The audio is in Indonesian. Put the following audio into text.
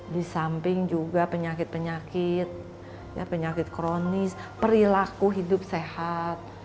di samping juga penyakit penyakit kronis perilaku hidup sehat